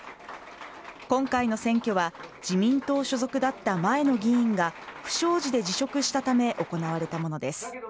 今回の選挙は自民党所属だった前の議員が不祥事で辞職したため行われたものです。